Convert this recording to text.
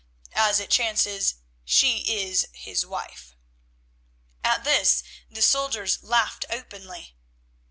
As it chances, she is his wife." At this the soldiers laughed openly.